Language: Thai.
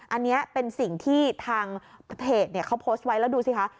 อันนี้เป็นสิ่งที่ทางเพจเขาโพสต์ไว้แล้วดูสิคะ